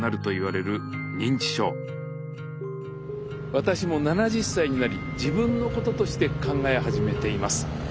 私も７０歳になり自分のこととして考え始めています。